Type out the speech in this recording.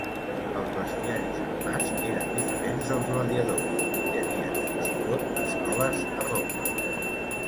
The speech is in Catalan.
Els bestiaris armats eren diferents dels gladiadors i tenien fins i tot escoles a Roma.